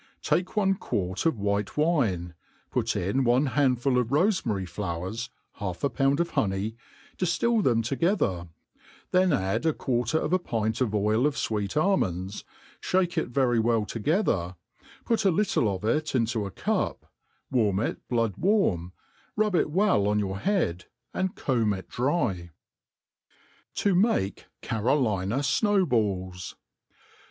TAKE one quart of white wine, put in one handful of rofemary flowers, half a pound of honey, diftil them toge ther ; then add a quarter of a pint of oil of fweet almonds, fiiake it very well together, put a little of it into a <cup, warpi it blood warm, rub it well on your head, and comb it dry. To make Carolina Snow Balls.